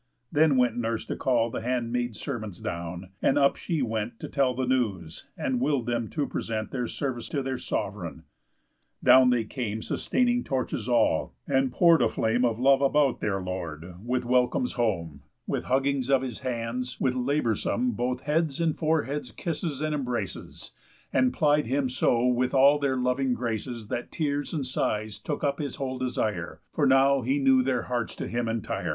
Then went nurse to call The handmaid servants down; and up she went To tell the news, and will'd them to present Their service to their sov'reign. Down they came Sustaining torches all, and pour'd a flame Of love about their lord, with welcomes home, With huggings of his hands, with laboursome Both heads and foreheads kisses, and embraces, And plied him so with all their loving graces That tears and sighs took up his whole desire; For now he knew their hearts to him entire.